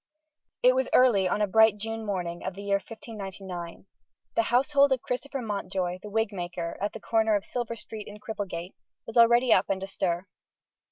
It was early on a bright June morning of the year 1599. The household of Christopher Mountjoy, the wig maker, at the corner of Silver Street in Cripplegate, was already up and astir.